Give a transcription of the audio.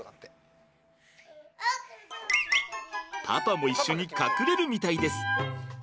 パパも一緒に隠れるみたいです。